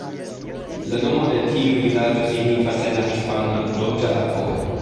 La nomo de tiu vilaĝo signifas en la hispana "Dolĉa akvo".